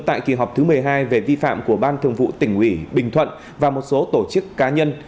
tại kỳ họp thứ một mươi hai về vi phạm của ban thường vụ tỉnh ủy bình thuận và một số tổ chức cá nhân